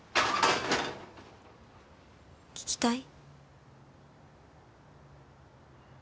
聞きたい？